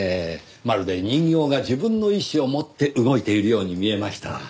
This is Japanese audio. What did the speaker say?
まるで人形が自分の意思を持って動いているように見えました。